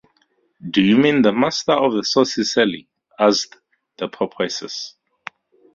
“Do you mean the master of The Saucy Sally?” asked the porpoises.